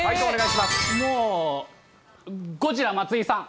もう、ゴジラ松井さん。